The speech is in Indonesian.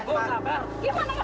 barang saya itu jatuh